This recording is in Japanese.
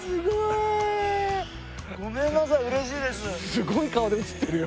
すごい顔で写ってるよ。